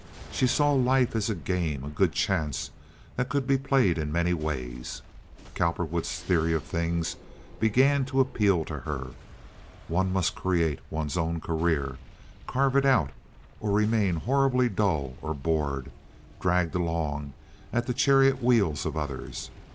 She saw life as a game, a good chance, that could be played in many ways. Cowperwood's theory of things began to appeal to her. One must create one's own career, carve it out, or remain horribly dull or bored, dragged along at the chariot wheels of others.